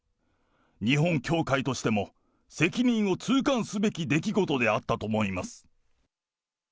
日本教会としても、責任を痛感すべき出来事であったと思います。